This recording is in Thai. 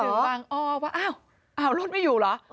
โอ้โฮว่าอยากรับรถไม่อยู่เหรอ